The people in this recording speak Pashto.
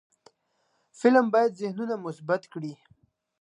فلم باید ذهنونه مثبت کړي